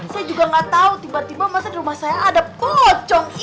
saya juga nggak tahu tiba tiba masa di rumah saya ada pelocong